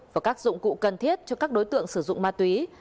và các dụng cụ cần thiết cho các đối tượng sử dụng ma túy